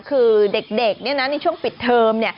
คือเด็กในช่วงปิดเทอม